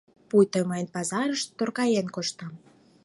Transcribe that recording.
Пуйто мый пазарыште торгаен коштам...